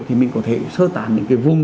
thì mình có thể sơ tản những cái vùng